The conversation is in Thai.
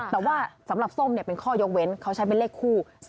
แต่ว่าสำหรับส้มเป็นข้อยกเว้นเขาใช้เป็นเลขคู่